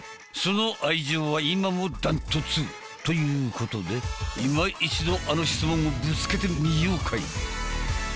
その愛情は今も断トツ。ということでいま一度あの質問をぶつけてみようかい。